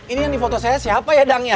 ini yang di foto saya siapa ya dan ya